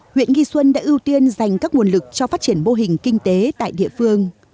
huyện nghi xuân đã ưu tiên dành các nguồn lực cho phát triển mô hình kinh tế tại địa phương